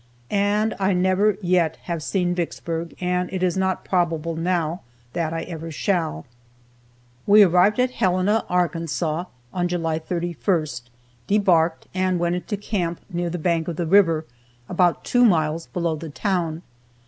And I never yet have seen Vicksburg, and it is not probable now that I ever shall. We arrived at Helena, Arkansas, on July 31st, debarked and went into camp near the bank of the river, about two miles below the town.